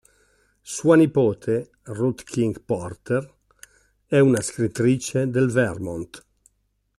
Sua nipote, Ruth King Porter, è una scrittrice del Vermont.